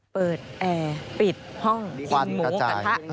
เปิดแอร์ปิดห้องกินหมูกระทะ